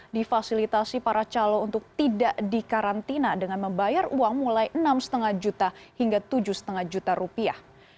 difasilitasi para calon untuk tidak dikarantina dengan membayar uang mulai enam lima juta hingga tujuh lima juta rupiah